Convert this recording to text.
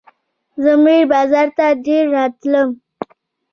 زه میر بازار ته ډېر راتلم.